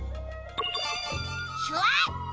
シュワッチ！